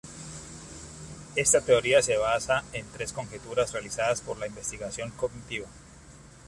Esta teoría se basa en tres conjeturas realizadas por la investigación cognitiva.